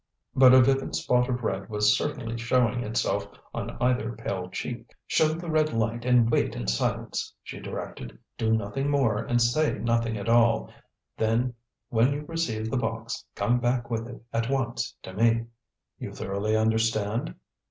But a vivid spot of red was certainly showing itself on either pale cheek. "Show the red light and wait in silence," she directed; "do nothing more, and say nothing at all. Then when you receive the box come back with it at once to me. You thoroughly understand?"